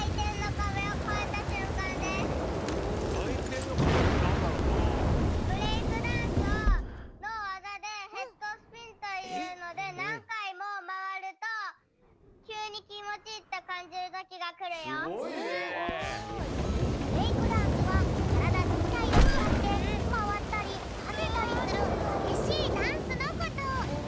かいてんのかべってなんだろうな？というのでなんかいもまわるとブレイクダンスはからだぜんたいをつかってまわったりはねたりするはげしいダンスのこと。